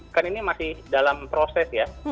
kan ini masih dalam proses ya